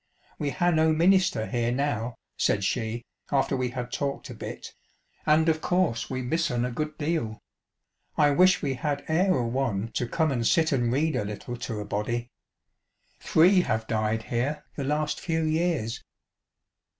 We ha' no minister here now," said she, after we had talked a bit, " and of course we miss 'un a good deal. I wish we had e'er a one to come and sit and read a little to a body. Three have died here the last few years."